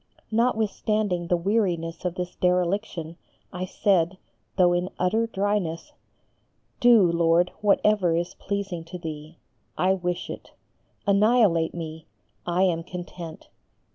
Notwithstanding the weariness of this dereliction, I said, though in utter dryness, "Do, Lord, whatever is pleasing to Thee, I wish it. Annihilate me, I am content.